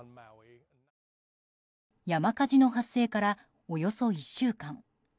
山火事の発生からおよそ１週間。